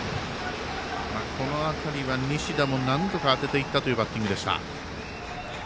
この辺りは、西田もなんとか当てていったというバッティングでした。